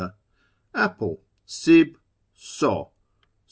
Apple Sib So ...